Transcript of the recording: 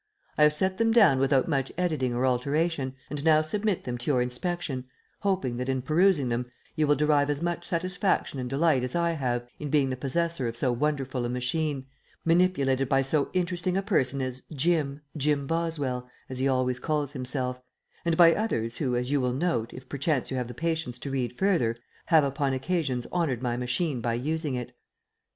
I have set them down without much editing or alteration, and now submit them to your inspection, hoping that in perusing them you will derive as much satisfaction and delight as I have in being the possessor of so wonderful a machine, manipulated by so interesting a person as "Jim Jim Boswell" as he always calls himself and others, who, as you will note, if perchance you have the patience to read further, have upon occasions honored my machine by using it.